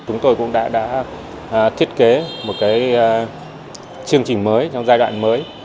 chúng tôi cũng đã thiết kế một chương trình mới trong giai đoạn mới